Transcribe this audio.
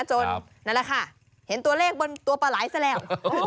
นั่นแหละค่ะเห็นตัวเลขบนตัวปลาไหลซะแล้ว